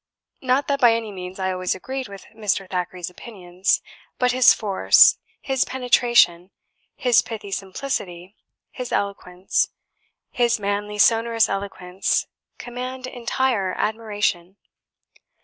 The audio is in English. Not that by any means I always agree with Mr. Thackeray's opinions, but his force, his penetration, his pithy simplicity, his eloquence his manly sonorous eloquence, command entire admiration.